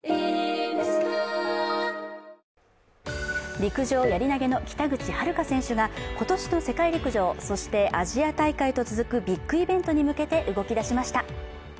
陸上やり投げの北口榛花選手が今年の世界陸上、そしてアジア大会へと続くビッグイベントに向けて動きだしました。